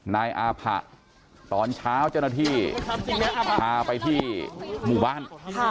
นายอาผะตอนเช้าเจ้าหน้าที่พาไปที่หมู่บ้าน